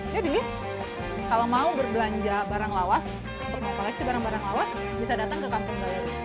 jadi kalau mau berbelanja barang lawas untuk mengoperasi barang barang lawas bisa datang ke kampung galeri